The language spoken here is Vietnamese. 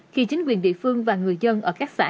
khi chính quyền địa phương và người dân ở các xã